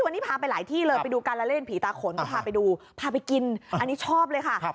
วันนี้พาไปหลายที่เลยไปดูการละเล่นผีตาขนก็พาไปดูพาไปกินอันนี้ชอบเลยค่ะ